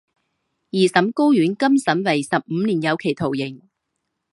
二审高院更审为十五年有期徒刑。